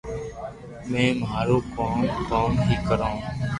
مي مارو ڪوم ڪوم ھي ڪروُ